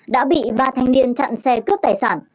đã bị ba thanh niên chặn xe cướp tài sản